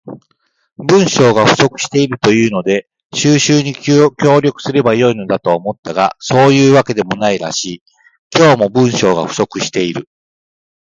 文章が不足しているというので収集に協力すれば良いのだと思ったが、そういうわけでもないらしい。今日も、文章が不足している。